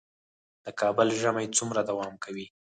د کابل ژمی څومره دوام کوي؟